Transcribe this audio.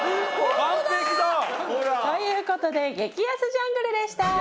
完璧だ！という事で「激安ジャングル」でした。